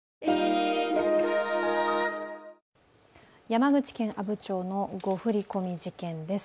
山口県阿武町の誤振込事件です。